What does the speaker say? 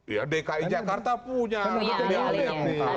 ya dki jakarta punya ahli ahlinya